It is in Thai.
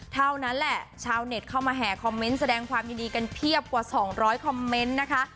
เท่านั้นแหละชาวเน็ตเข้ามาแห่คอมเมนต์แสดงความยินดีกันเพียบกว่า๒๐๐คอมเมนต์นะคะ